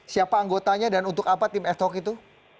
siapa anggotanya dan untuk apa tim adhoc itu